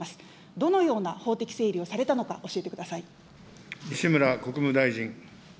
どのような法的整理をされたのか、教えてください。